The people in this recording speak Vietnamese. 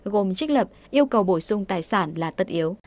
gồm trích lập yêu cầu bổ sung tài sản là tất yếu